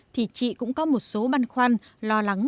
thì chị cũng có một số băn khoăn lo lắng